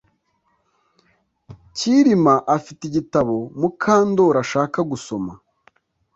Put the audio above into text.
Kirima afite igitabo Mukandoli ashaka gusoma